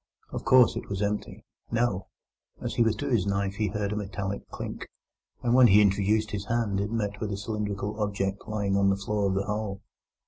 Of course it was empty. No! As he withdrew the knife he heard a metallic clink, and when he introduced his hand it met with a cylindrical object lying on the floor of the hole.